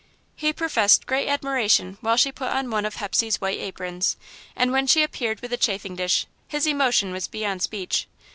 He professed great admiration while she put on one of Hepsey's white aprons, and when she appeared with the chafing dish, his emotion was beyond speech.